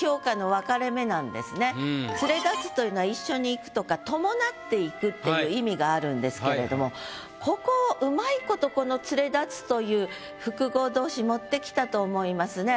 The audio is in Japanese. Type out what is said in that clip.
ここはまさに「連れ立つ」というのは一緒に行くとか伴って行くっていう意味があるんですけれどもここを上手いことこの「連れ立つ」という複合動詞持ってきたと思いますね。